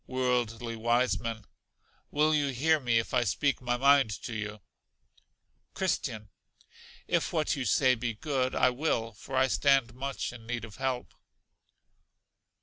Worldly Wiseman. Will you hear me if I speak my mind to you? Christian. If what you say be good, I will, for I stand much in need of help.